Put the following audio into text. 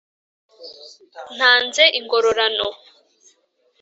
Ntanze ingorarano.